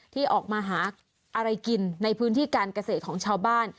ที่ออกมาหาอะไรกินในพื้นที่การเกษตรของชาวบ้าน